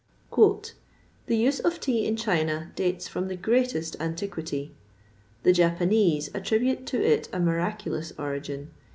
"The use of tea in China dates from the greatest antiquity. The Japanese attribute to it a miraculous origin.